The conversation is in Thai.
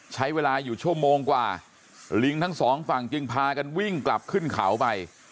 ใช้เวลาอยู่ชั่วโมงกว่าลิงทั้งสองฝั่งจึงพากันวิ่งกลับขึ้นเขาไป